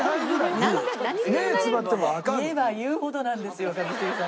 言えば言うほどなんですよ一茂さん。